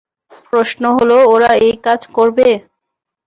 প্রশ্ন হলো, ওরা এই কাজ করবে?